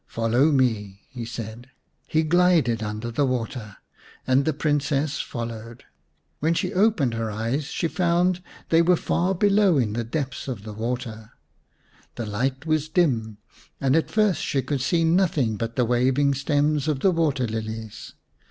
" Follow me," he said. He glided under the water, and the Princess 93 The Serpent's Bride vm followed. When she opened her eyes she found they were far below in the depths of the water. The light was dim, and at first she could see nothing but the waving stems of the water lilies.